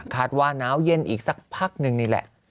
ว่าหนาวเย็นอีกสักพักนึงนี่แหละ